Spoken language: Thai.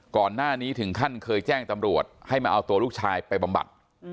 ก่อนหน้านี้ถึงขั้นเคยแจ้งตำรวจให้มาเอาตัวลูกชายไปบำบัด